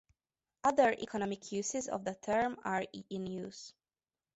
Other economic uses of the term are in use.